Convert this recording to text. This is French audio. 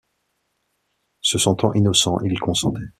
Se sentant innocent, il consentait.